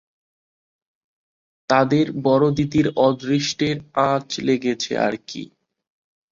তাদের বড়দিদির অদৃষ্টের আঁচ লেগেছে আর-কি।